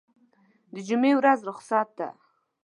دجمعې ورځ رخصت ده